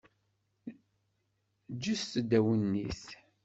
Ǧǧet-d awennit.